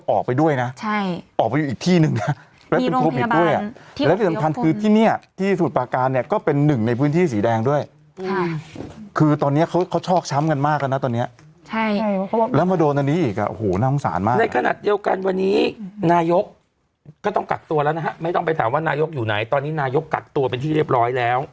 ออกไปอยู่อีกที่นึงแล้วเป็นโครงพยาบาลด้วยแล้วเป็นสัมพันธ์คือที่นี่ที่สูตรปาการเนี่ยก็เป็นหนึ่งในพื้นที่สีแดงด้วยคือตอนนี้เขาชอบช้ำกันมากแล้วนะตอนนี้แล้วมาโดนอันนี้อีกอ่ะโหน่องศาลมากในขณะเดียวกันวันนี้นายกก็ต้องกักตัวแล้วนะฮะไม่ต้องไปถามว่านายกอยู่ไหนตอนนี้นายกกักตัวเป็นที่เรีย